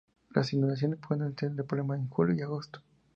Las inundaciones pueden ser un problema en julio y agosto.